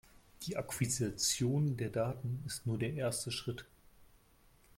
Die Akquisition der Daten ist nur der erste Schritt.